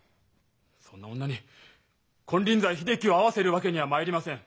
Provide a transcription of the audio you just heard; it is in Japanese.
そんな女に金輪際秀樹を会わせるわけにはまいりません！